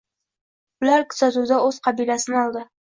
Ular kuzatuvida o’z qabilasini oldi.